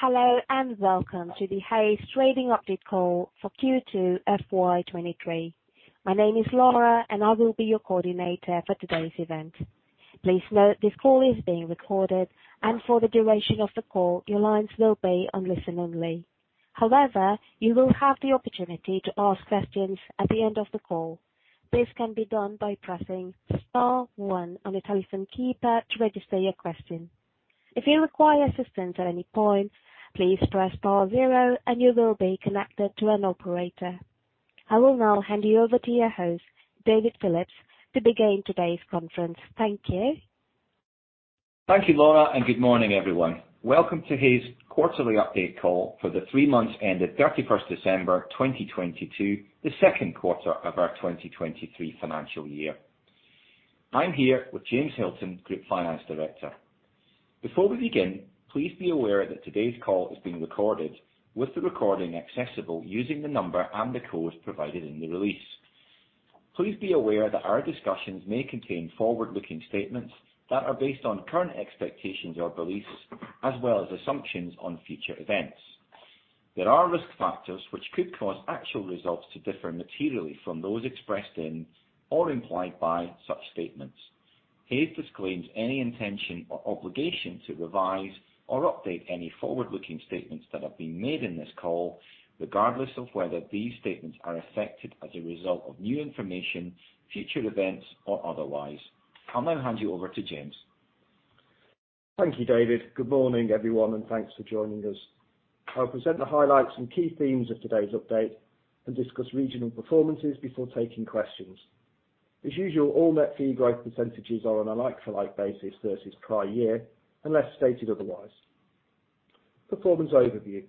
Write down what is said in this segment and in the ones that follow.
Hello, welcome to the Hays trading update call for Q2 FY 2023. My name is Laura, and I will be your coordinator for today's event. Please note this call is being recorded, and for the duration of the call, your lines will be on listen-only. However, you will have the opportunity to ask questions at the end of the call. This can be done by pressing star one on your telephone keypad to register your question. If you require assistance at any point, please press star zero and you will be connected to an operator. I will now hand you over to your host, David Phillips, to begin today's conference. Thank you. Thank you, Laura. Good morning, everyone. Welcome to Hays' quarterly update call for the three months ending December 31st, 2022, the second quarter of our 2023 financial year. I'm here with James Hilton, Group Finance Director. Before we begin, please be aware that today's call is being recorded, with the recording accessible using the number and the code provided in the release. Please be aware that our discussions may contain forward-looking statements that are based on current expectations or beliefs, as well as assumptions on future events. There are risk factors which could cause actual results to differ materially from those expressed in or implied by such statements. Hays disclaims any intention or obligation to revise or update any forward-looking statements that have been made in this call, regardless of whether these statements are affected as a result of new information, future events, or otherwise. I'll now hand you over to James. Thank you, David. Good morning, everyone, and thanks for joining us. I'll present the highlights and key themes of today's update and discuss regional performances before taking questions. As usual, all net fee growth percentage are on a like-for-like basis versus prior year, unless stated otherwise. Performance overview.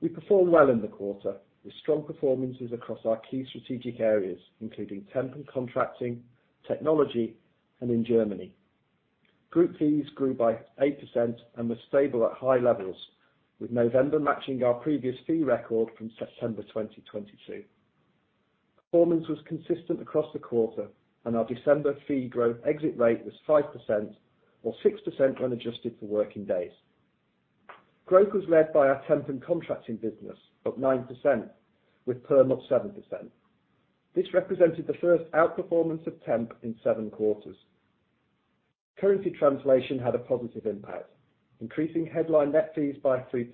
We performed well in the quarter, with strong performances across our key strategic areas, including temp and contracting, technology, and in Germany. Group fees grew by 8% and were stable at high levels, with November matching our previous fee record from September 2022. Performance was consistent across the quarter, and our December fee growth exit rate was 5% or 6% when adjusted for working-days. Growth was led by our temp and contracting business, up 9%, with perm up 7%. This represented the first outperformance of temp in seven quarters. Currency translation had a positive impact, increasing headline net fees by 3%.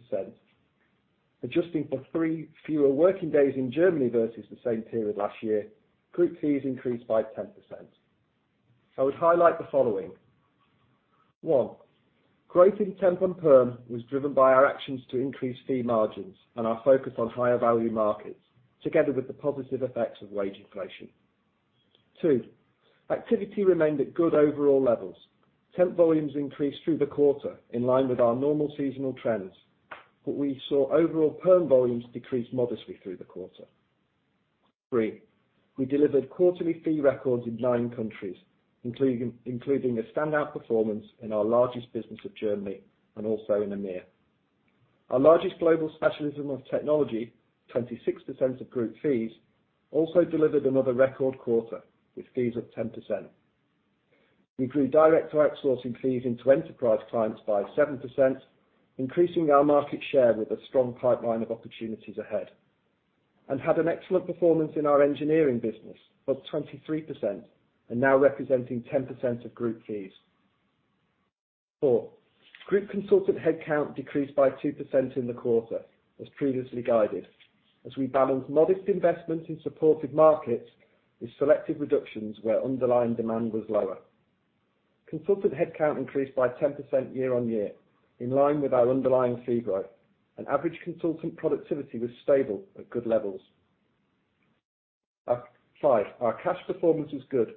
Adjusting for three fewer working days in Germany versus the same period last year, group fees increased by 10%. I would highlight the following. One, growth in temp and perm was driven by our actions to increase fee margins and our focus on higher value markets, together with the positive effects of wage inflation. Two, activity remained at good overall levels. Temp volumes increased through the quarter, in line with our normal seasonal trends, but we saw overall perm volumes decrease modestly through the quarter. Three, we delivered quarterly fee records in nine countries, including a standout performance in our largest business of Germany and also in EMEIA. Our largest global specialism of technology, 26% of group fees, also delivered another record quarter with fees up 10%. We grew direct outsourcing fees into enterprise clients by 7%, increasing our market share with a strong pipeline of opportunities ahead. Had an excellent performance in our engineering business, up 23% and now representing 10% of group fees. Four. Group consultant headcount decreased by 2% in the quarter, as previously guided, as we balanced modest investments in supported markets with selective reductions where underlying demand was lower. Consultant headcount increased by 10% year-over-year, in line with our underlying fee growth. Average consultant productivity was stable at good levels. Five. Our cash performance was good.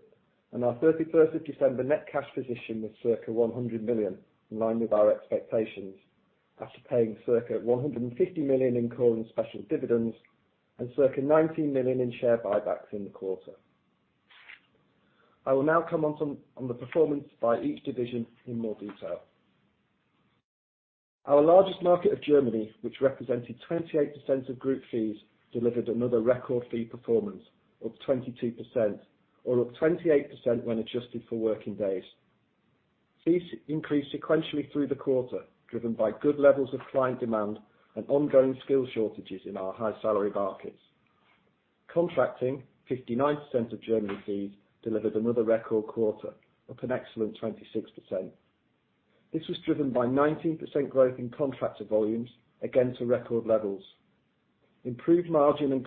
Our December 31st net cash position was circa 100 million, in line with our expectations after paying circa 150 million in call and special dividends and circa 19 million in share buybacks in the quarter. I will now come on the performance by each division in more detail. Our largest market of Germany, which represented 28% of group fees, delivered another record fee performance, up 22% or up 28% when adjusted for working days. Fees increased sequentially through the quarter, driven by good levels of client demand and ongoing skill shortages in our high salary markets. Contracting, 59% of Germany fees, delivered another record quarter, up an excellent 26%. This was driven by 19% growth in contractor volumes, again to record levels. Improved margin and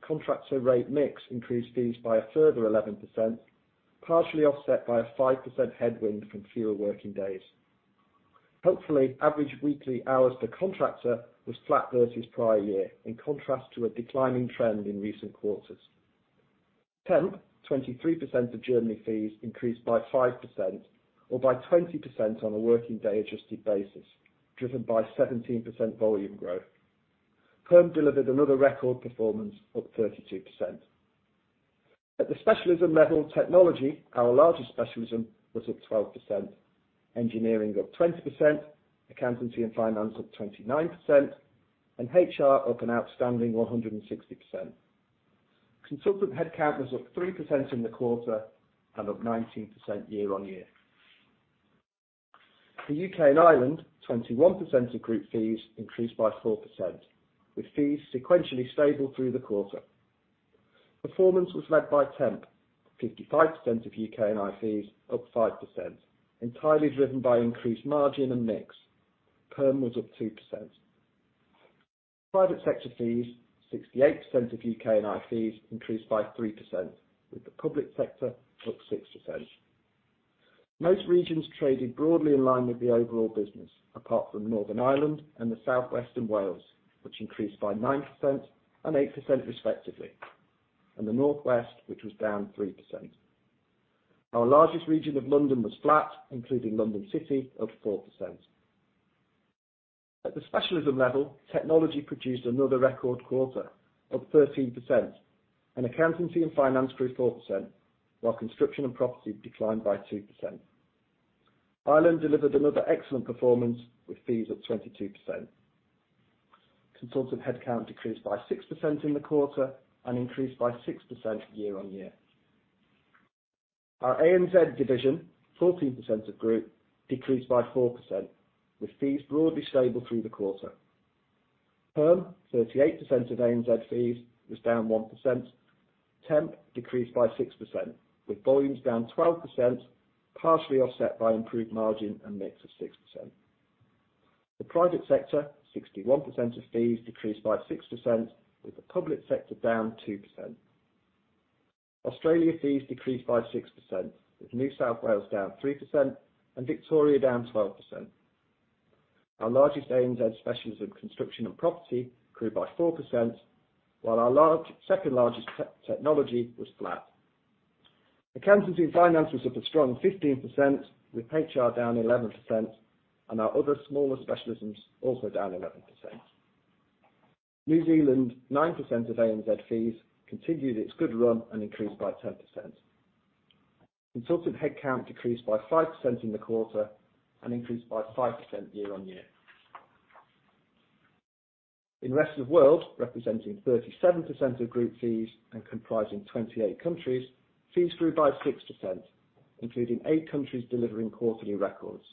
contractor rate mix increased fees by a further 11%, partially offset by a 5% headwind from fewer working days. Hopefully, average weekly hours per contractor was flat versus prior year, in contrast to a declining trend in recent quarters. Temp, 23% of Germany fees, increased by 5% or by 20% on a working-day adjusted basis, driven by 17% volume growth. Perm delivered another record performance, up 32%. At the specialism level, technology, our largest specialism, was up 12%, engineering up 20%, accountancy and finance up 29%, and HR up an outstanding 160%. Consultant headcount was up 3% in the quarter and up 19% year-over-year. The U.K. and Ireland, 21% of group fees, increased by 4%, with fees sequentially stable through the quarter. Performance was led by temp, 55% of U.K. and IE fees, up 5%, entirely driven by increased margin and mix. Perm was up 2%. Private sector fees, 68% of U.K. and IE fees, increased by 3%, with the public sector up 6%. Most regions traded broadly in line with the overall business, apart from Northern Ireland and the South West and Wales, which increased by 9% and 8% respectively, and the North West, which was down 3%. Our largest region of London was flat, including London City, up 4%. At the specialism level, technology produced another record quarter, up 13%, and accountancy and finance grew 4%, while construction and property declined by 2%. Ireland delivered another excellent performance, with fees up 22%. Consultant headcount decreased by 6% in the quarter and increased by 6% year-on-year. Our ANZ division, 14% of group, decreased by 4%, with fees broadly stable through the quarter. Perm, 38% of ANZ fees, was down 1%. Temp decreased by 6%, with volumes down 12%, partially offset by improved margin and mix of 6%. The private sector, 61% of fees, decreased by 6%, with the public sector down 2%. Australia fees decreased by 6%, with New South Wales down 3% and Victoria down 12%. Our largest ANZ specialism, construction and property, grew by 4%, while our second-largest technology was flat. Accountancy and finance was up a strong 15%, with HR down 11%, and our other smaller specialisms also down 11%. New Zealand, 9% of ANZ fees, continued its good run and increased by 10%. Consultant headcount decreased by 5% in the quarter and increased by 5% year-over-year. In Rest of World, representing 37% of group fees and comprising 28 countries, fees grew by 6%, including eight countries delivering quarterly records.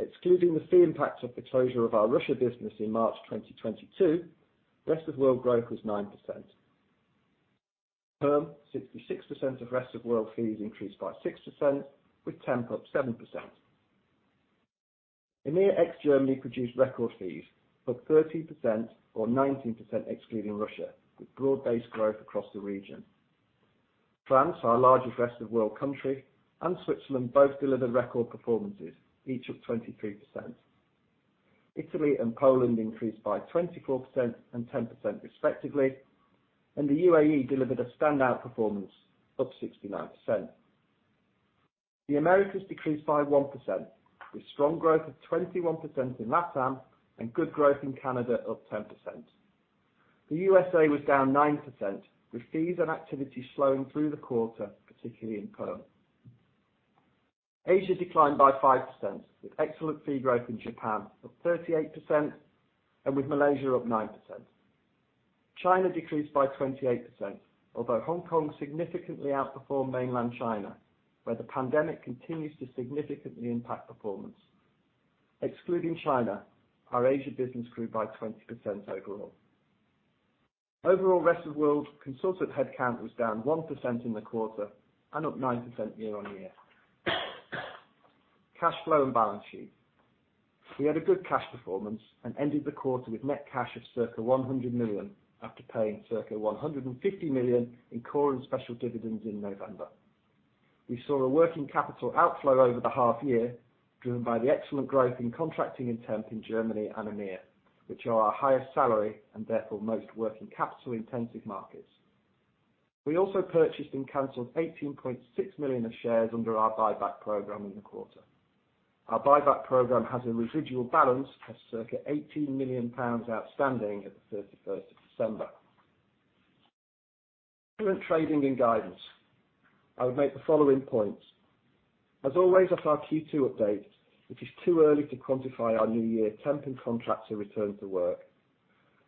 Excluding the fee impact of the closure of our Russia business in March 2022, Rest of World growth was 9%. Perm, 66% of Rest of World fees, increased by 6%, with temp up 7%. EMEIA, ex-Germany, produced record fees, up 13% or 19% excluding Russia, with broad-based growth across the region. France, our largest Rest of World country, and Switzerland both delivered record performances, each up 23%. Italy and Poland increased by 24% and 10% respectively, and the UAE delivered a standout performance, up 69%. The Americas decreased by 1%, with strong growth of 21% in LATAM and good growth in Canada, up 10%. The USA was down 9%, with fees and activity slowing through the quarter, particularly in perm. Asia declined by 5%, with excellent fee growth in Japan, up 38%, and with Malaysia up 9%. China decreased by 28%, although Hong Kong significantly outperformed mainland China, where the pandemic continues to significantly impact performance. Excluding China, our Asia business grew by 20% overall. Overall, Rest of World consultant headcount was down 1% in the quarter and up 9% year-on-year. Cash flow and balance sheet. We had a good cash performance and ended the quarter with net cash of circa 100 million after paying circa 150 million in core and special dividends in November. We saw a working capital outflow over the half year, driven by the excellent growth in contracting in temp in Germany and EMEIA, which are our highest salary and therefore most working capital-intensive markets. We also purchased and canceled 18.6 million of shares under our buyback program in the quarter. Our buyback program has a residual balance of circa 18 million pounds outstanding at December 31st. Current trading and guidance. I would make the following points. As always at our Q2 update, it is too early to quantify our new year temp and contractor return to work.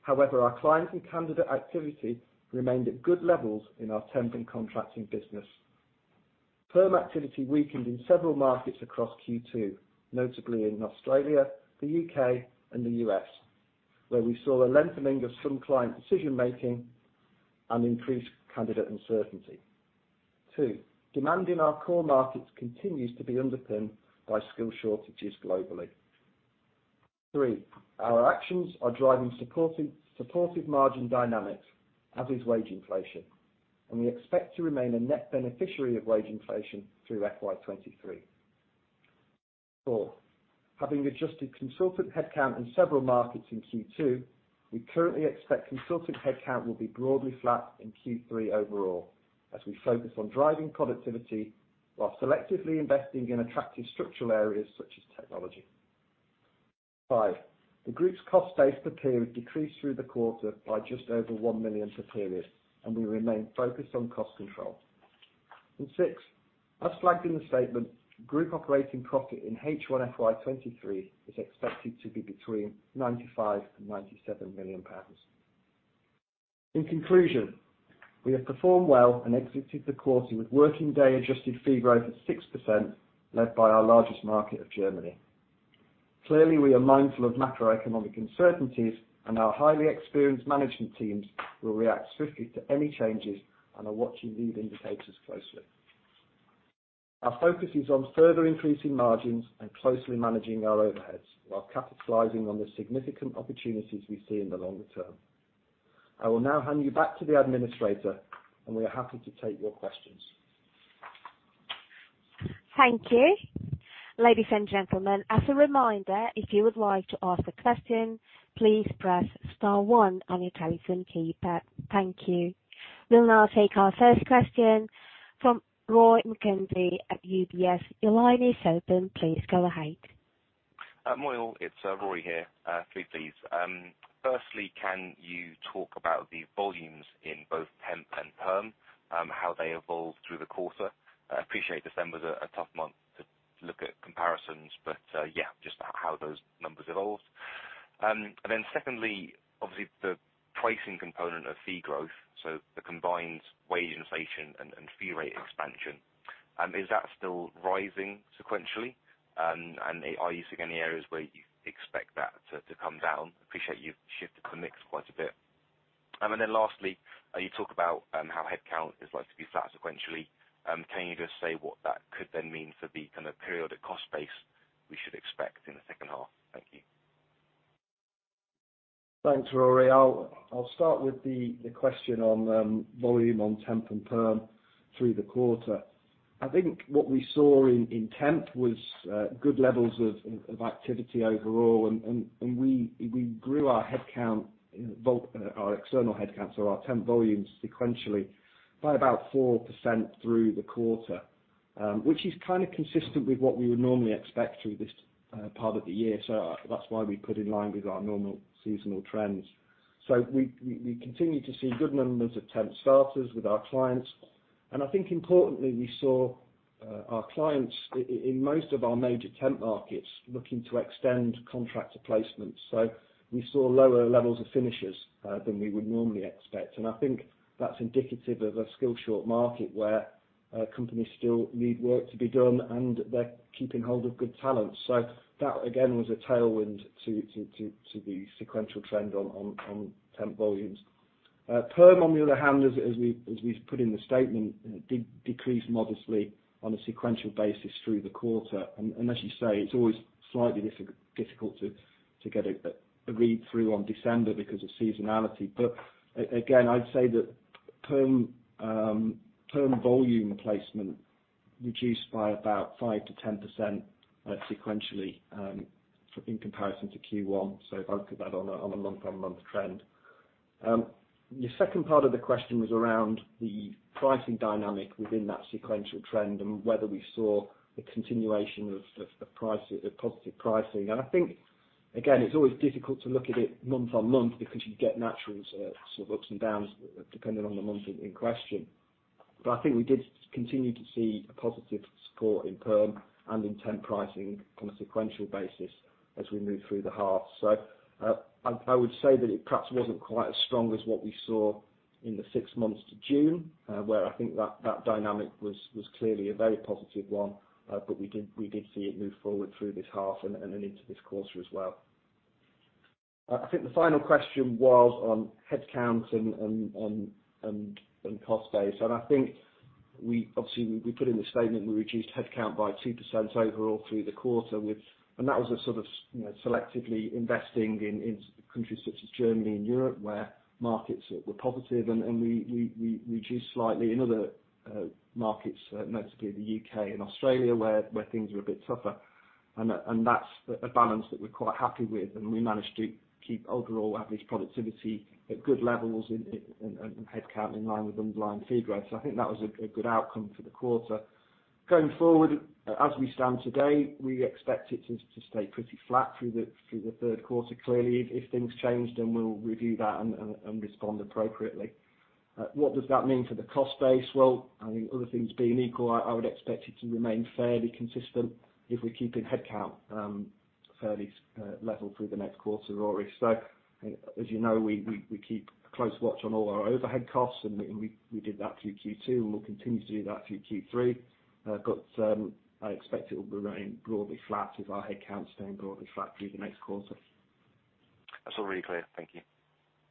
Our client and candidate activity remained at good levels in our temp and contracting business. Perm activity weakened in several markets across Q2, notably in Australia, the U.K., and the U.S., where we saw a lengthening of some client decision-making and increased candidate uncertainty. Demand in our core markets continues to be underpinned by skill shortages globally. Our actions are driving supportive margin dynamics, as is wage inflation, and we expect to remain a net beneficiary of wage inflation through FY 2023. Having adjusted consultant headcount in several markets in Q2, we currently expect consultant headcount will be broadly flat in Q3 overall, as we focus on driving productivity while selectively investing in attractive structural areas such as technology. The group's cost base per period decreased through the quarter by just over 1 million per period, and we remain focused on cost control. As flagged in the statement, group operating profit in H1 FY 2023 is expected to be between 95 million and 97 million pounds. In conclusion, we have performed well and executed the quarter with working-day adjusted fee growth at 6% led by our largest market of Germany. Clearly, we are mindful of macroeconomic uncertainties, and our highly experienced management teams will react swiftly to any changes and are watching lead indicators closely. Our focus is on further increasing margins and closely managing our overheads while capitalizing on the significant opportunities we see in the longer term. I will now hand you back to the administrator, and we are happy to take your questions. Thank you. Ladies and gentlemen, as a reminder, if you would like to ask a question, please press star one on your telephone keypad. Thank you. We'll now take our first question from Rory McKenzie at UBS. Your line is open. Please go ahead. Morning all. It's Rory here. Three, please. Firstly, can you talk about the volumes in both temp and perm, how they evolved through the quarter? I appreciate December's a tough month to look at comparisons, just how those numbers evolved. Secondly, obviously the pricing component of fee growth, so the combined wage inflation and fee rate expansion. Is that still rising sequentially? Are you seeing any areas where you expect that to come down? Appreciate you've shifted the mix quite a bit. Lastly, you talk about how headcount is likely to be flat sequentially. Can you just say what that could then mean for the kind of periodic cost base we should expect in the second half? Thank you. Thanks, Rory. I'll start with the question on volume on temp and perm through the quarter. I think what we saw in temp was good levels of activity overall. We grew our head count, our external head count, so our temp volumes sequentially by about 4% through the quarter, which is kind of consistent with what we would normally expect through this part of the year. That's why we put in line with our normal seasonal trends. We continue to see good numbers of temp starters with our clients. I think importantly, we saw our clients in most of our major temp markets looking to extend contractor placements. We saw lower levels of finishers than we would normally expect. I think that's indicative of a skill short market where companies still need work to be done and they're keeping hold of good talent. That again, was a tailwind to the sequential trend on temp volumes. Perm on the other hand, as we've put in the statement, did decrease modestly on a sequential basis through the quarter. As you say, it's always slightly difficult to get a read through on December because of seasonality. Again, I'd say that perm volume placement reduced by about 5%-10% sequentially in comparison to Q1. If I look at that on a month-on-month trend. Your second part of the question was around the pricing dynamic within that sequential trend and whether we saw a continuation of prices, of positive pricing. Again, it's always difficult to look at it month on month because you get natural sort of ups and downs depending on the month in question. We did continue to see a positive support in perm and in temp pricing on a sequential basis as we move through the half. It perhaps wasn't quite as strong as what we saw in the six months to June, where I think that dynamic was clearly a very positive one. We did see it move forward through this half and into this quarter as well. I think the final question was on headcount and cost base. I think we obviously, we put in the statement, we reduced headcount by 2% overall through the quarter with... That was a sort of, you know, selectively investing in countries such as Germany and Europe, where markets were positive and we reduced slightly in other markets, notably the U.K. and Australia, where things were a bit tougher. That's a balance that we're quite happy with, and we managed to keep overall average productivity at good levels and headcount in line with underlying fee growth. I think that was a good outcome for the quarter. Going forward, as we stand today, we expect it to stay pretty flat through the third quarter. Clearly, if things change, we'll review that and respond appropriately. What does that mean for the cost base? Well, I think other things being equal, I would expect it to remain fairly consistent if we're keeping headcount, fairly level through the next quarter or so. As you know, we keep a close watch on all our overhead costs, and we did that through Q2, and we'll continue to do that through Q3. I expect it will remain broadly flat if our headcount staying broadly flat through the next quarter. That's all really clear. Thank you.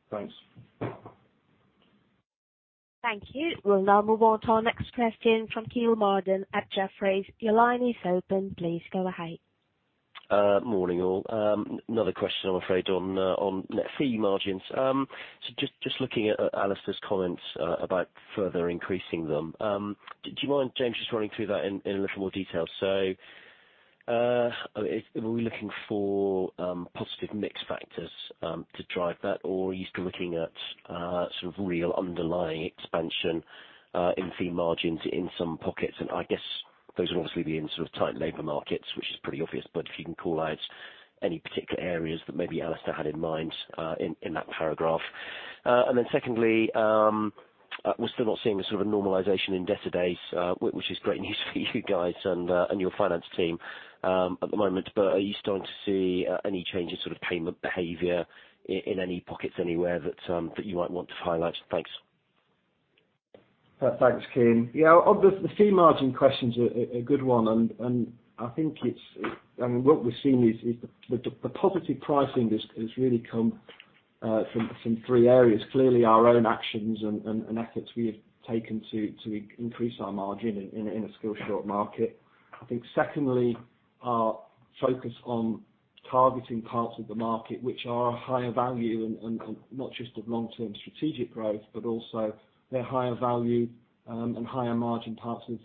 Thanks. Thank you. We'll now move on to our next question from Kean Marden at Jefferies. Your line is open. Please go ahead. Morning, all. Another question I'm afraid on net fee margins. Just looking at Alistair's comments about further increasing them. Do you mind, James, just running through that in a little more detail? Are we looking for positive mix factors to drive that? Are you still looking at sort of real underlying expansion in fee margins in some pockets? I guess those will obviously be in sort of tight labor markets, which is pretty obvious. If you can call out any particular areas that maybe Alistair had in mind in that paragraph. Then secondly, we're still not seeing the sort of normalization in debtor days, which is great news for you guys and your finance team at the moment. Are you starting to see, any changes sort of payment behavior in any pockets anywhere that you might want to highlight? Thanks. Thanks, Kean. Yeah, on the fee margin question's a good one. I think it's. What we're seeing is the positive pricing has really come from three areas. Clearly our own actions and efforts we have taken to increase our margin in a still short market. I think secondly, our focus on targeting parts of the market which are higher value and not just of long-term strategic growth, but also they're higher value and higher margin parts of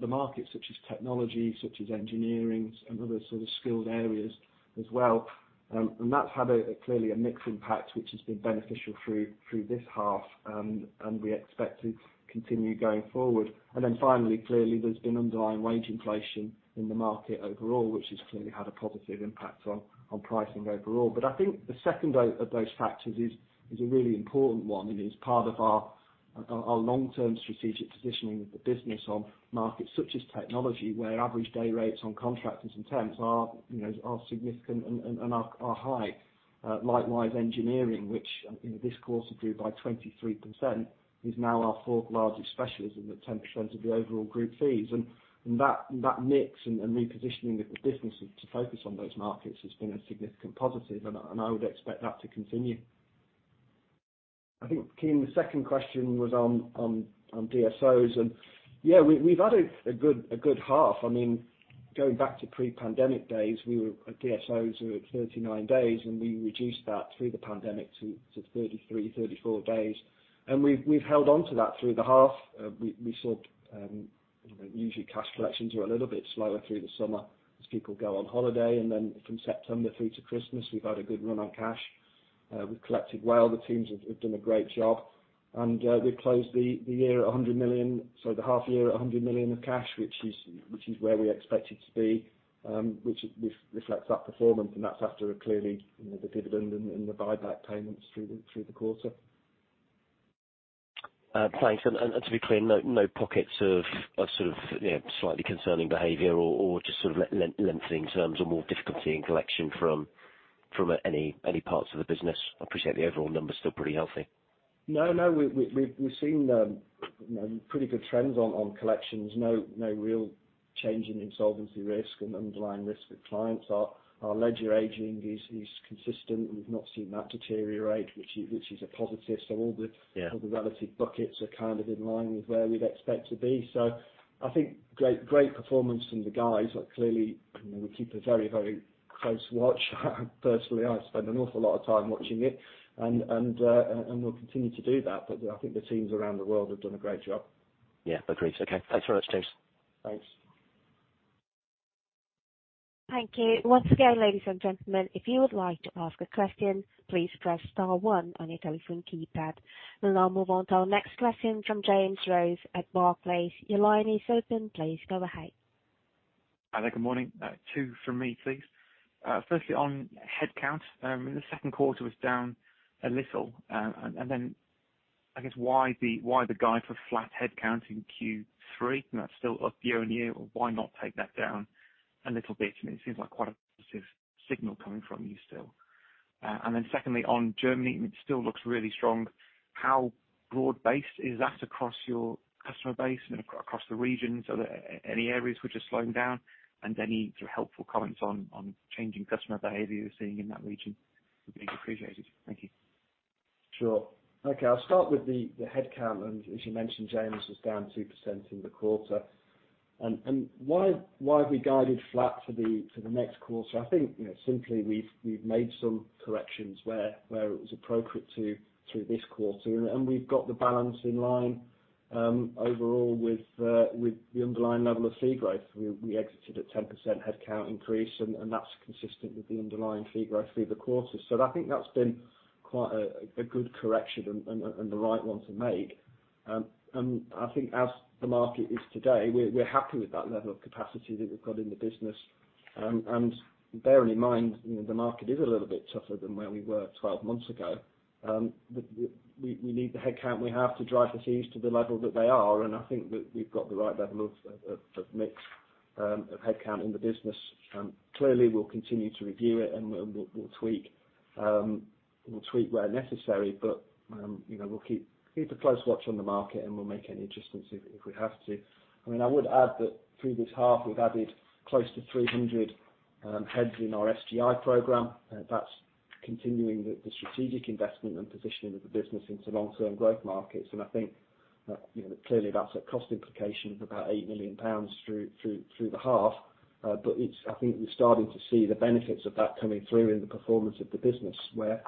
the market, such as technology, such as engineering and other sort of skilled areas as well. That's had a clearly a mixed impact, which has been beneficial through this half, and we expect to continue going forward. Finally, clearly, there's been underlying wage inflation in the market overall, which has clearly had a positive impact on pricing overall. I think the second of those factors is a really important one, and it's part of our long-term strategic positioning of the business on markets such as technology, where average day rates on contractors and temps are, you know, are significant and are high. Likewise, engineering, which in this quarter grew by 23%, is now our fourth largest specialism at 10% of the overall group fees. That mix and repositioning of the business to focus on those markets has been a significant positive, and I would expect that to continue. I think, Kean Marden, the second question was on DSOs. Yeah, we've had a good half. I mean, going back to pre-pandemic days, we were at DSOs of 39 days, and we reduced that through the pandemic to 33-34 days. We've held on to that through the half. We saw, you know, usually cash collections are a little bit slower through the summer as people go on holiday. From September through to Christmas, we've had a good run on cash. We've collected well. The teams have done a great job. We've closed the half year at 100 million of cash, which is where we expected to be, which reflects that performance, and that's after a clearly, you know, the dividend and the buyback payments through the quarter. Thanks. To be clear, no pockets of a sort of, you know, slightly concerning behavior or just sort of lengthening terms or more difficulty in collection from any parts of the business? I appreciate the overall number's still pretty healthy. No, no. We've seen, you know, pretty good trends on collections. No, no real change in insolvency risk and underlying risk with clients. Our ledger aging is consistent, and we've not seen that deteriorate, which is a positive. all the- Yeah. all the relative buckets are kind of in line with where we'd expect to be. I think great performance from the guys. Like, clearly, you know, we keep a very, very close watch. Personally, I spend an awful lot of time watching it and we'll continue to do that. I think the teams around the world have done a great job. Yeah, agreed. Okay. Thanks very much, James. Thanks. Thank you. Once again, ladies and gentlemen, if you would like to ask a question, please press star one on your telephone keypad. We'll now move on to our next question from James Rose at Barclays. Your line is open. Please go ahead. Hi there. Good morning. Two from me, please. Firstly, on headcount, in the second quarter was down a little. I guess why the guide for flat headcount in Q3? That's still up year-on-year, or why not take that down a little bit? I mean, it seems like quite a positive signal coming from you still. Secondly, on Germany, it still looks really strong. How broad-based is that across your customer base and across the regions? Are there any areas which are slowing down? Any sort of helpful comments on changing customer behavior you're seeing in that region would be appreciated. Thank you. Sure. Okay, I'll start with the headcount. As you mentioned, James, it's down 2% in the quarter. Why have we guided flat for the next quarter? I think, you know, simply we've made some corrections where it was appropriate to through this quarter, and we've got the balance in line overall with the underlying level of fee growth. We exited at 10% headcount increase, and that's consistent with the underlying fee growth through the quarter. I think that's been quite a good correction and the right one to make. I think as the market is today, we're happy with that level of capacity that we've got in the business. Bearing in mind, you know, the market is a little bit tougher than where we were 12 months ago. The, we need the headcount we have to drive the fees to the level that they are, and I think that we've got the right level of mix of headcount in the business. Clearly we'll continue to review it, and we'll tweak where necessary, but, you know, we'll keep a close watch on the market, and we'll make any adjustments if we have to. I mean, I would add that through this half we've added close to 300 heads in our SGI program. That's continuing the strategic investment and positioning of the business into long-term growth markets. I think, you know, clearly that's a cost implication of about 8 million pounds through the half. I think we're starting to see the benefits of that coming through in the performance of the business where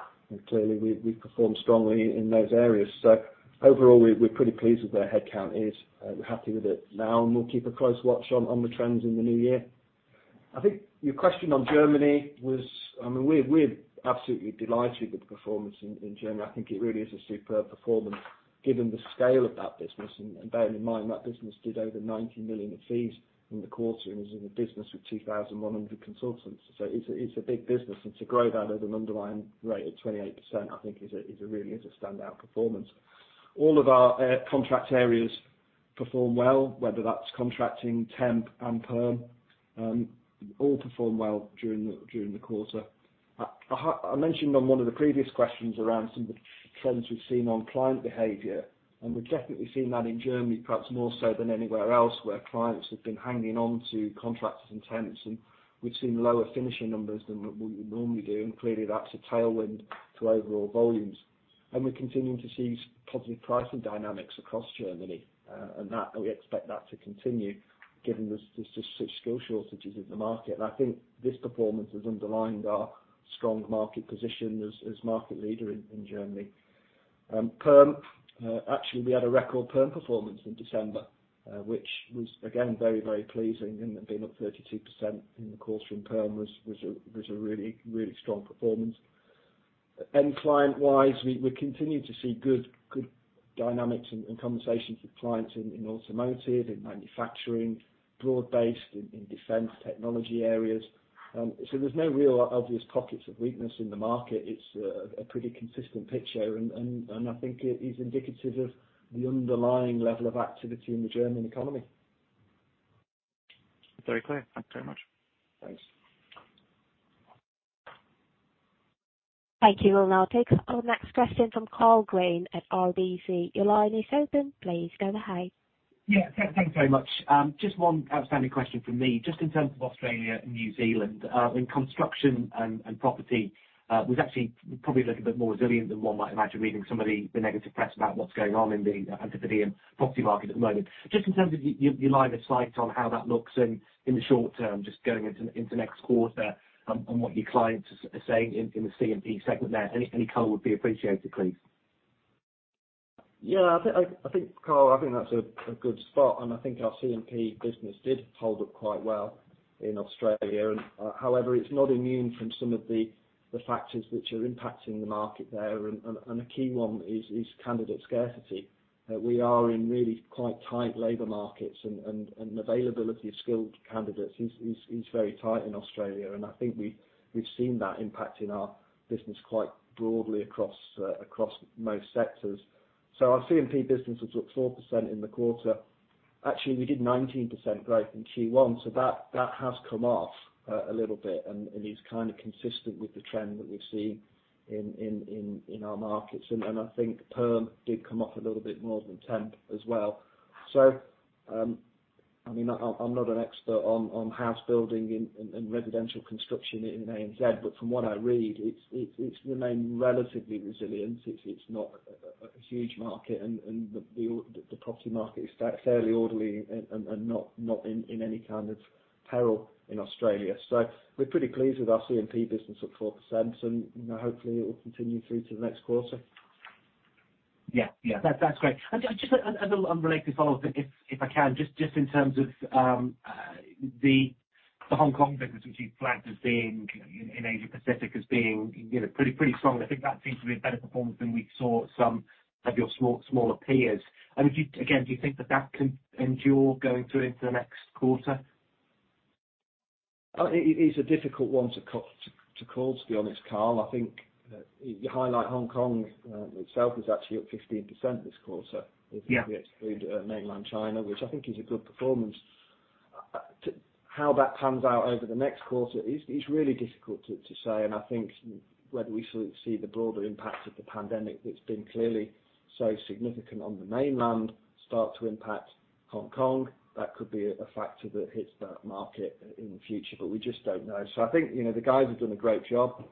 clearly we've performed strongly in those areas. Overall, we're pretty pleased with where headcount is. We're happy with it now, and we'll keep a close watch on the trends in the new year. I think your question on Germany. I mean, we're absolutely delighted with the performance in Germany. I think it really is a superb performance. Given the scale of that business, and bearing in mind that business did over 90 million in fees in the quarter and is in a business with 2,100 consultants. It's a big business, and to grow that at an underlying rate of 28% I think is a really standout performance. All of our contract areas perform well, whether that's contracting temp and perm, all performed well during the quarter. I mentioned on one of the previous questions around some of the trends we've seen on client behavior. We've definitely seen that in Germany, perhaps more so than anywhere else, where clients have been hanging on to contractors and temps, and we've seen lower finishing numbers than what we would normally do. Clearly that's a tailwind to overall volumes. We're continuing to see positive pricing dynamics across Germany, and that we expect that to continue given the skill shortages in the market. I think this performance has underlined our strong market position as market leader in Germany. Perm, actually we had a record perm performance in December, which was again, very pleasing. Being up 32% in the course in perm was a really strong performance. End client-wise, we continue to see good dynamics and conversations with clients in automotive, in manufacturing, broad-based in defense technology areas. There's no real obvious pockets of weakness in the market. It's a pretty consistent picture and I think it is indicative of the underlying level of activity in the German economy. Very clear. Thank you very much. Thanks. Thank you. We'll now take our next question from Karl Green at RBC. Your line is open. Please go ahead. Yeah. Thank you very much. Just one outstanding question from me. Just in terms of Australia and New Zealand in construction and property was actually probably a little bit more resilient than one might imagine, reading some of the negative press about what's going on in the Antipodean property market at the moment. Just in terms of your line of sight on how that looks in the short term, just going into next quarter, on what your clients are saying in the C&P segment there. Any color would be appreciated, please. I think Karl, I think that's a good spot, and I think our C&P business did hold up quite well in Australia. However, it's not immune from some of the factors which are impacting the market there. A key one is candidate scarcity. We are in really quite tight labor markets and availability of skilled candidates is very tight in Australia. I think we've seen that impact in our business quite broadly across most sectors. Our C&P business was up 4% in the quarter. Actually, we did 19% growth in Q1, so that has come off a little bit and is kind of consistent with the trend that we've seen in our markets. I think perm did come off a little bit more than temp as well. I mean, I'm not an expert on house building and residential construction in ANZ, but from what I read, it's remained relatively resilient. It's not a huge market and the property market is fairly orderly and not in any kind of peril in Australia. We're pretty pleased with our C&P business up 4% and, you know, hopefully it will continue through to the next quarter. Yeah, that's great. Just a little unrelated follow-up, if I can, just in terms of the Hong Kong business, which you flagged as being in Asia Pacific, as being, you know, pretty strong. I think that seems to be a better performance than we saw at some of your smaller peers. Do you again, do you think that that can endure going through into the next quarter? it is a difficult one to call, to be honest, Karl. I think you highlight Hong Kong itself is actually up 15% this quarter. Yeah If you exclude mainland China, which I think is a good performance. How that pans out over the next quarter is really difficult to say. I think whether we sort of see the broader impact of the pandemic that's been clearly so significant on the mainland start to impact Hong Kong, that could be a factor that hits that market in the future, but we just don't know. I think, you know, the guys have done a great job.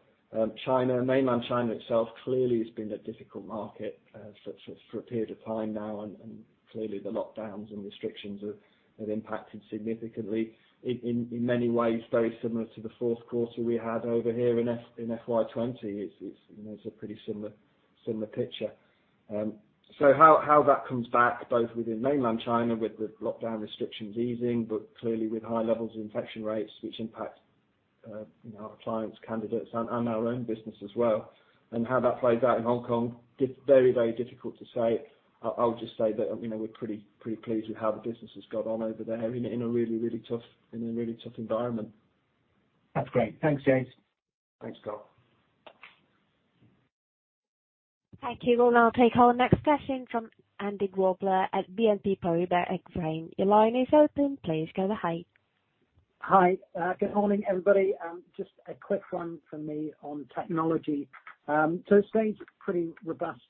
China, mainland China itself clearly has been a difficult market for a period of time now, and clearly the lockdowns and restrictions have impacted significantly in many ways, very similar to the fourth quarter we had over here in FY 2020. It's, you know, it's a pretty similar picture. How that comes back both within mainland China with the lockdown restrictions easing, but clearly with high levels of infection rates which impact, you know, our clients, candidates and our own business as well, and how that plays out in Hong Kong, very, very difficult to say. I'll just say that, you know, we're pretty pleased with how the business has got on over there in a really, really tough, in a really tough environment. That's great. Thanks, James. Thanks, Karl. Thank you. We'll now take our next question from Andy Grobler at BNP Paribas Exane. Your line is open. Please go ahead. Hi. Good morning, everybody. Just a quick one from me on technology. It's stayed pretty robust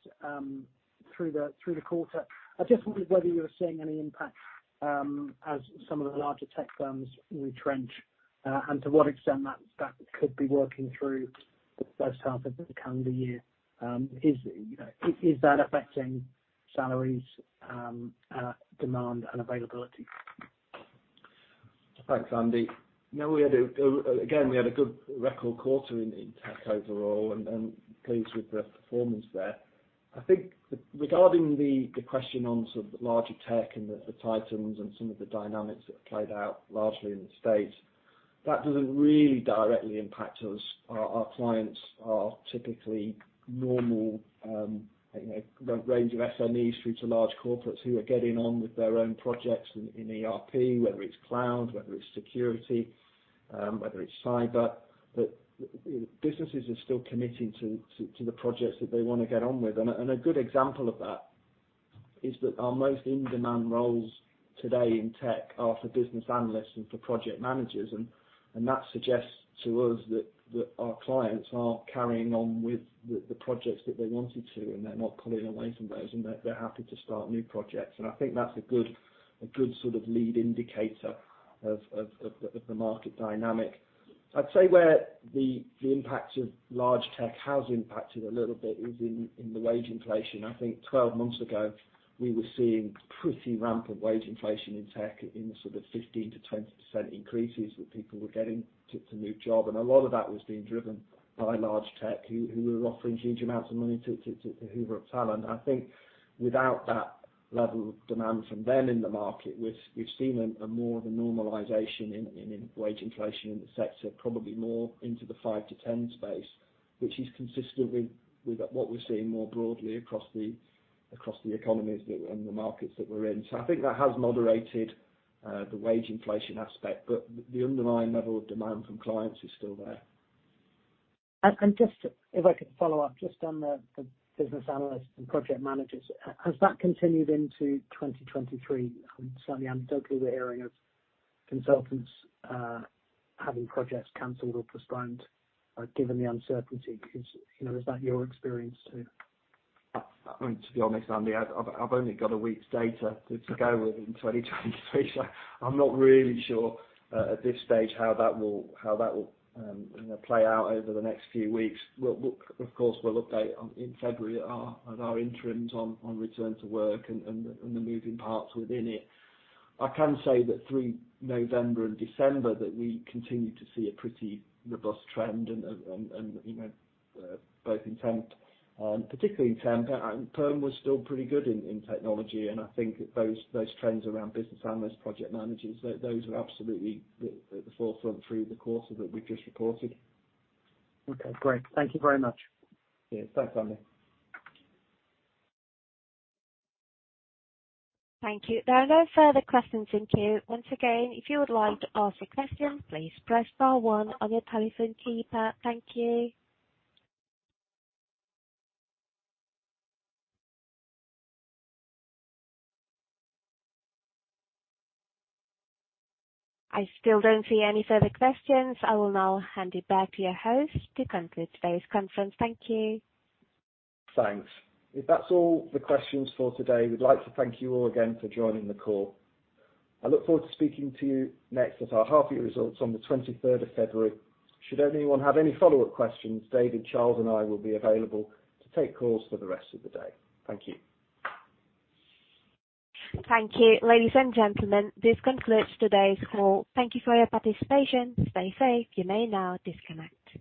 through the quarter. I just wondered whether you were seeing any impact as some of the larger tech firms retrench, and to what extent that could be working through the first half of the calendar year. Is, you know, is that affecting salaries, demand and availability? Thanks, Andy. You know, we had a good record quarter in tech overall and pleased with the performance there. I think regarding the question on sort of larger tech and the titans and some of the dynamics that have played out largely in the States. That doesn't really directly impact us. Our clients are typically normal, you know, range of SMEs through to large corporates who are getting on with their own projects in ERP, whether it's cloud, whether it's security, whether it's cyber. Businesses are still committing to the projects that they wanna get on with. A good example of that is that our most in-demand roles today in tech are for business analysts and for project managers. That suggests to us that our clients are carrying on with the projects that they wanted to, and they're not pulling away from those, and they're happy to start new projects. I think that's a good sort of lead indicator of the market dynamic. I'd say where the impact of large tech has impacted a little bit is in the wage inflation. I think 12 months ago, we were seeing pretty rampant wage inflation in tech in the sort of 15%-20% increases that people were getting to new job. A lot of that was being driven by large tech who were offering huge amounts of money to hoover up talent. I think without that level of demand from them in the market, we've seen a more of a normalization in wage inflation in the sector, probably more into the 5%-10% space, which is consistent with what we're seeing more broadly across the economies that and the markets that we're in. I think that has moderated the wage inflation aspect, but the underlying level of demand from clients is still there. Just if I could follow up just on the business analysts and project managers. Has that continued into 2023? Certainly anecdotally we're hearing of consultants having projects canceled or postponed given the uncertainty. You know, is that your experience too? To be honest, Andy, I've only got a week's data to go with in 2023, so I'm not really sure at this stage how that will play out over the next few weeks. We'll Of course, we'll update on in February at our interim on return to work and the moving parts within it. I can say that through November and December that we continued to see a pretty robust trend and, you know, both in temp, particularly in temp. Perm was still pretty good in technology, and I think those trends around business analysts, project managers, those are absolutely at the forefront through the quarter that we've just reported. Okay, great. Thank you very much. Yeah. Thanks, Andy. Thank you. There are no further questions in queue. Once again, if you would like to ask a question, please press star one on your telephone keypad. Thank you. I still don't see any further questions. I will now hand it back to your host to conclude today's conference. Thank you. Thanks. If that's all the questions for today, we'd like to thank you all again for joining the call. I look forward to speaking to you next at our half year results on the February 23rd. Should anyone have any follow-up questions, David, Charles and I will be available to take calls for the rest of the day. Thank you. Thank you. Ladies and gentlemen, this concludes today's call. Thank you for your participation. Stay safe. You may now disconnect.